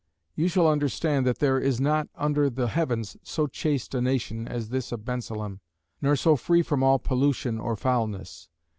You shall understand that there is not under the heavens so chaste a nation as this of Bensalem; nor so free from all pollution or foulness.